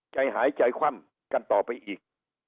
ใจหายใจคว่ำกันต่อไปอีก